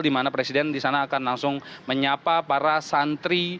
di mana presiden di sana akan langsung menyapa para santri